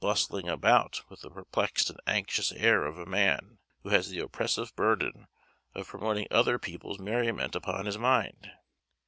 He was bustling about with the perplexed and anxious air of a man who has the oppressive burthen of promoting other people's merriment upon his mind.